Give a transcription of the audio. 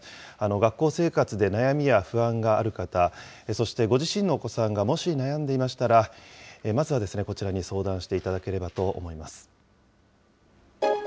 学校生活で悩みや不安がある方、そしてご自身のお子さんがもし悩んでいましたら、まずはこちらに相談していただければと思います。